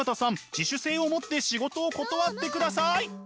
自主性を持って仕事を断ってください！